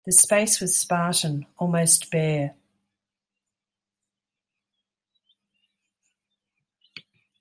The space was spartan, almost bare.